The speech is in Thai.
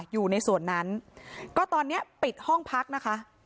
อยู่ในส่วนนั้นก็ตอนนี้ปิดห้องพักนะคะ